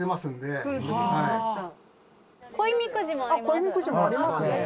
「恋みくじもありますね」